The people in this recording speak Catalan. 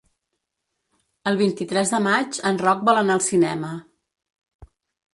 El vint-i-tres de maig en Roc vol anar al cinema.